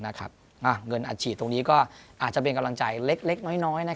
เงินอัดฉีดตรงนี้ก็อาจจะเป็นกำลังใจเล็กน้อย